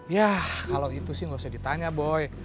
yah kalau itu sih gak usah ditanya boy